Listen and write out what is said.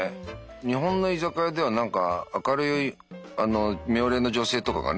日本の居酒屋では何か明るい妙齢の女性とかがね